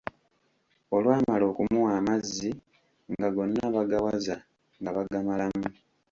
Olwamala okumuwa amazzi nga gonna bagawaza nga bagamalamu.